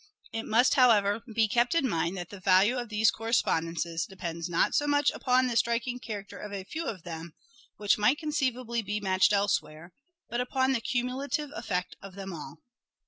It must, however, be kept in mind that the value of these correspondences depends not so much upon the striking character of a few of them, which might conceivably be matched elsewhere, but upon the cumulative effect of them all.